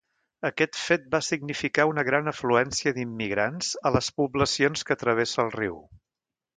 Aquest fet va significar una gran afluència d'immigrants a les poblacions que travessa el riu.